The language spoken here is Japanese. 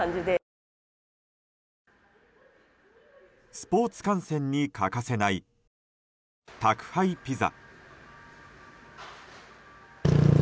スポーツ観戦に欠かせない宅配ピザ。